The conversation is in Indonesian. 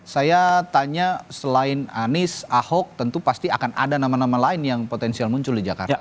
saya tanya selain anies ahok tentu pasti akan ada nama nama lain yang potensial muncul di jakarta